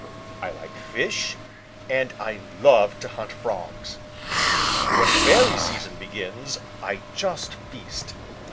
I like fish and I love to hunt Frogs. When the berry season begins, I just feast.